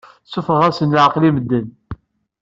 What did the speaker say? Ssuffɣeɣ-asen leɛqel i medden.